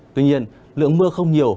tuy nhiên lượng mưa không nhiều